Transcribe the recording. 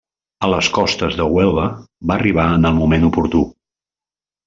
A les costes de Huelva va arribar en el moment oportú.